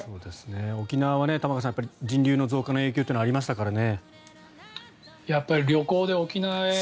沖縄は玉川さん人流の増加の影響というのがありましたからね。